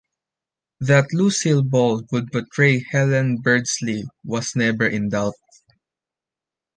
That Lucille Ball would portray Helen Beardsley was never in doubt.